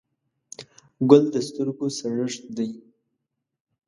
ګل د سترګو سړښت دی.